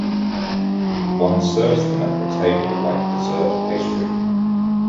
One serves them at the table like dessert pastry.